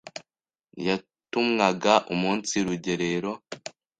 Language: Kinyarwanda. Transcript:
yatumwaga umunsi rugerero